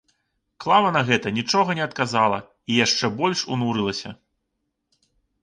Клава на гэта нічога не адказала і яшчэ больш унурылася.